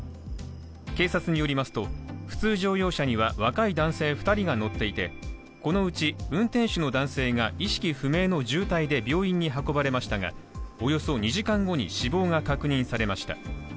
警察によりますと普通乗用車には若い男性２人が乗っていて、このうち運転手の男性が意識不明の重体で病院に運ばれましたが、２時間後に死亡が確認されました。